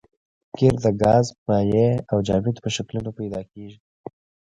قیر د ګاز مایع او جامد په شکلونو پیدا کیږي